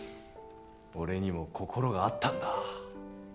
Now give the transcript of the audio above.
俺にも心があったんだ！